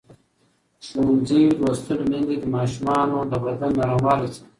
ښوونځې لوستې میندې د ماشومانو د بدن نرموالی څاري.